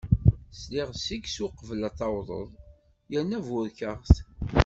Sliɣ seg-s uqbel ad d-tawdeḍ, yerna burkeɣ-t.